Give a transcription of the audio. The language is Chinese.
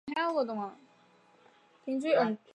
后成为民族军将领。